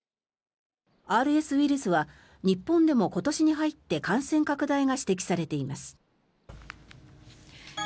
ＲＳウイルスは日本でも今年に入って感染拡大が指摘されています。